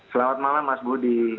selamat malam mas budi